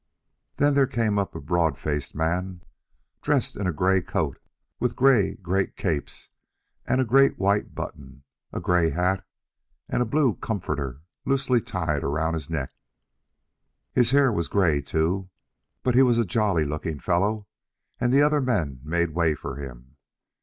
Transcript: Then there came up a broad faced man, dressed in a great gray coat with great gray capes and great white buttons, a gray hat, and a blue comforter loosely tied around his neck; his hair was gray, too; but he was a jolly looking fellow, and the other men made way for him.